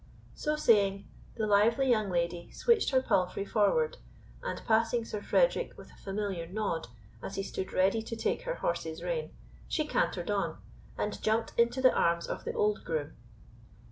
So saying, the lively young lady switched her palfrey forward, and passing Sir Frederick with a familiar nod as he stood ready to take her horse's rein, she cantered on, and jumped into the arms of the old groom.